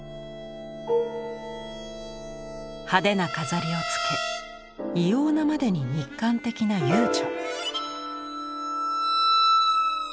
派手な飾りをつけ異様なまでに肉感的な遊女。